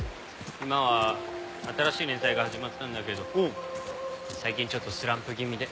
今は新しい連載が始まったんだけど最近ちょっとスランプ気味で。